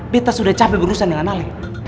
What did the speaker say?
beta sudah capek berurusan dengan ale